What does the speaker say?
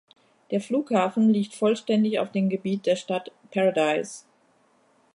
Der Flughafen liegt vollständig auf dem Gebiet der Stadt Paradise.